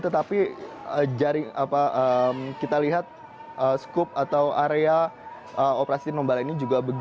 tetapi kita lihat skup atau area operasi tinombala ini juga berbeda